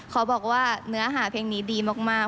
เขาบอกว่าเนื้อหาเพลงนี้ดีมาก